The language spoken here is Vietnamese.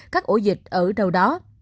các ổ dịch ở đâu đó